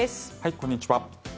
こんにちは。